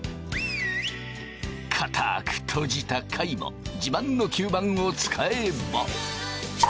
かたく閉じた貝も自慢の吸盤を使えば。